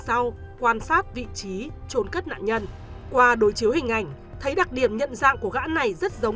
sau quan sát vị trí trốn cất nạn nhân qua đối chiếu hình ảnh thấy đặc điểm nhận dạng của gã này rất giống